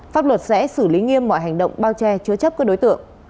pháp luật sẽ xử lý nghiêm mọi hành động bao che chứa chấp các đối tượng